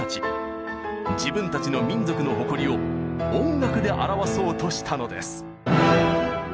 自分たちの民族の誇りを音楽で表そうとしたのです。